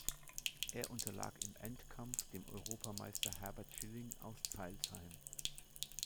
Er unterlag im Endkampf dem Europameister Herbert Schilling aus Zeilsheim.